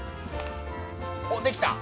おっできた？